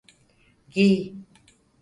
Giy.